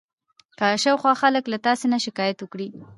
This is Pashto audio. که شاوخوا خلک له تاسې نه شکایت وکړي.